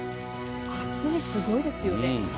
厚みすごいですよね。